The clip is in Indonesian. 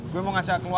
gue mau ngajak keluarga